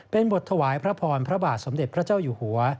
เป็นบทถวายพระพรพระบาทสมเด็จพระเจ้าอยู่หัว